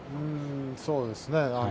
そうですね。